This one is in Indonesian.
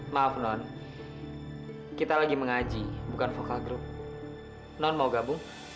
maaf non kita lagi mengaji bukan vokal group non mau gabung